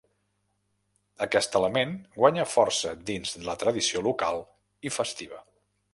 Aquest element guanya força dins la tradició local i festiva.